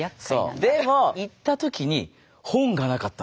でも行った時に本がなかったんです。